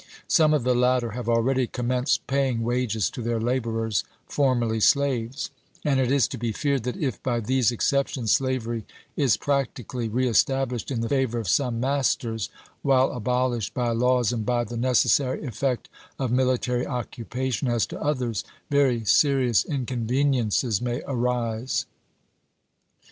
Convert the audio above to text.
Some of the latter have already commenced paying wages to their laborers, formerly slaves ; and it is to be feared that if, by these exceptions, slavery is practically reestablished in favor of some masters, while abolished by laws and by the necessary effect of military occupation as to others, very serious inconveniences may arise.